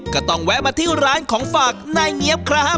แวะมาที่ร้านของฝากนายเงี๊ยบครับ